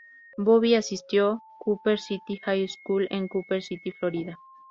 Bobby asistió Cooper City High School, en Cooper City, Florida.